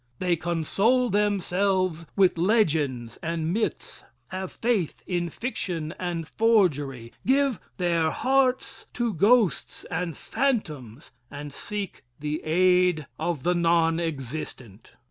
They console themselves with legends and myths, have faith in fiction and forgery give their hearts to ghosts and phantoms and seek the aid of the non existent.